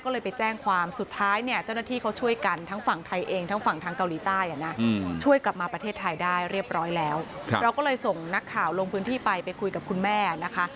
แล้วก็เลยส่งนักข่าวลงพื้นที่ไปไปคุยกับคุณแม่นะคะ